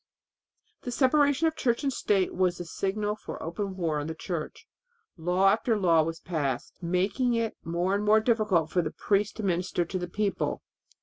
The separation of church and state was the signal for open war on the Church. Law after law was passed, making it more and more difficult for the priest to minister to the people.